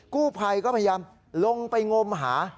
กู้ภัยก็พยายามลงไปงมหา